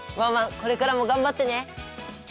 これからもがんばってね！